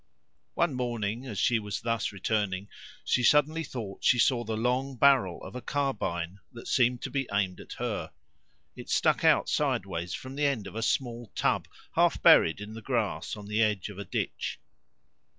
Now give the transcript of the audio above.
One morning as she was thus returning, she suddenly thought she saw the long barrel of a carbine that seemed to be aimed at her. It stuck out sideways from the end of a small tub half buried in the grass on the edge of a ditch.